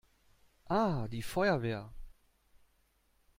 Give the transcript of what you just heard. Ah, die Feuerwehr!